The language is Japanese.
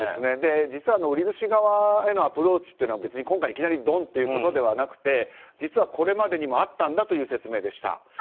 実は、売り主側へのアプローチというのは別に今回いきなりドンということではなくて実はこれまでにもあったんだという説明でした。